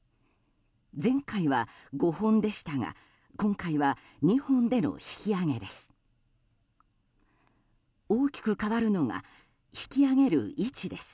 前回は５本でしたが今回は２本での引き揚げです。